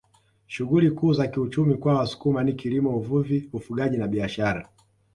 Shughuli kuu za kiuchumi kwa Wasukuma ni kilimo uvuvi ufugaji na biashara